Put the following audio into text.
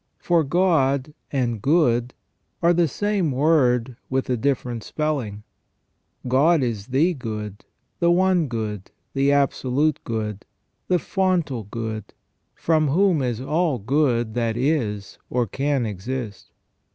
For God and good are the same word with a different spelling. God is the good, the one good, the absolute good, the fontal good, from whom is all good that is or can exist.